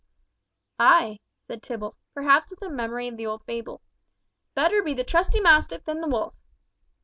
"Ay!" said Tibble, perhaps with a memory of the old fable, "better be the trusty mastiff than the wolf."